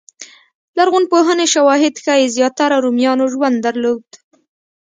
لرغونپوهنې شواهد ښيي زیاتره رومیانو ژوند درلود